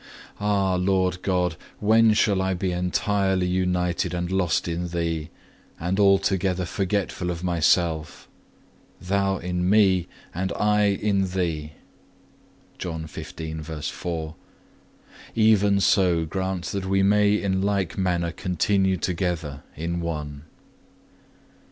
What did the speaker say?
Ah, Lord God, when shall I be entirely united and lost in Thee, and altogether forgetful of myself? Thou in me, and I in Thee;(1) even so grant that we may in like manner continue together in one.